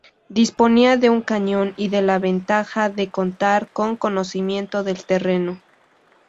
Disponían de un cañón y de la ventaja de contar con conocimiento del terreno.